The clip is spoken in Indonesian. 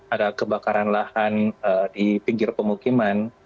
ada kebakaran lahan di pinggir pemukiman